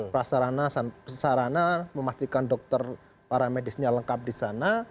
prasarana sarana memastikan dokter para medisnya lengkap di sana